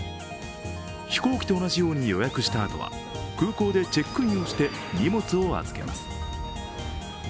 飛行機と同じように予約したあとは空港でチェックインして荷物を預けます。